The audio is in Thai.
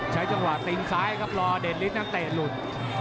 ใช้จังหวะตีนซ้ายครับรอเด็ดนิดตั้งแต่หลุด